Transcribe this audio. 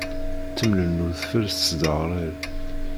Temlel n udfel tesdderɣil.